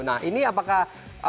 nah ini apakah